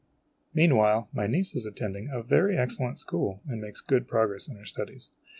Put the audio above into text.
Meanwhile, my 94 IMAGINOTIONS niece is attending a very excellent school, and makes good progress in her studies.